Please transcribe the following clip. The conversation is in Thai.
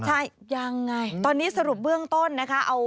ใช่ยังไงตอนนี้สรุปเบื้องต้นนะคะ